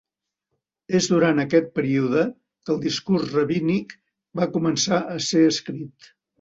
És durant aquest període que el discurs rabínic va començar a ser escrit.